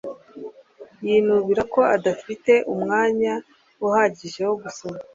Yinubira ko adafite umwanya uhagije wo gusoma.